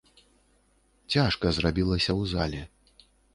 Цяжка зрабілася ў зале.